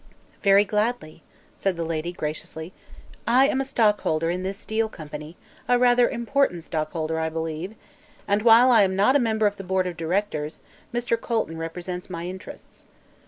"Very gladly," said the lady, graciously. "I am a stockholder in this steel company a rather important stockholder, I believe and while I am not a member of the board of directors, Mr. Colton represents my interests.